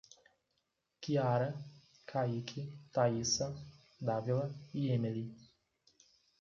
Kiara, Kayky, Thaissa, Davila e Emeli